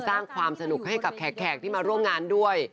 สร้างความสนุกให้กับแขกที่มาร่วมงานด้วย